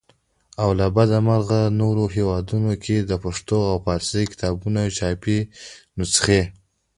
او له بده مرغه نورو هیوادونو کې د پښتو او فارسي کتابونو چاپي نخسې.